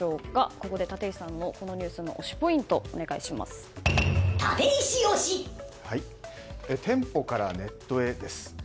ここで立石さんのこのニュースの推しポイント店舗からネットへです。